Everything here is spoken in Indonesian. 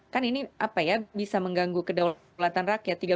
kan ini bisa mengganggu kedaulatan rakyat